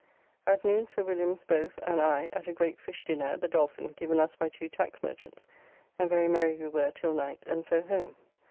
At noon Sir Williams both and I at a great fish dinner at the Dolphin, given us by two tax merchants, and very merry we were till night, and so home.